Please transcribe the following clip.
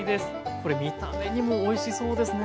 これ見た目にもおいしそうですね。